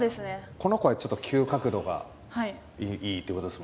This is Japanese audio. この子はちょっと急角度がいいってことですもんね。